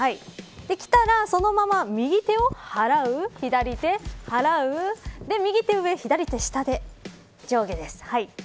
きたら、そのまま右手を払う左手を払う右手が上、左手が下で上下です。